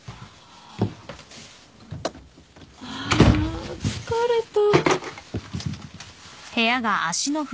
あ疲れた。